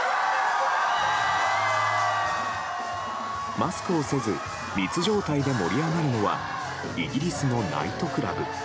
マスクをせず密状態で盛り上がるのはイギリスのナイトクラブ。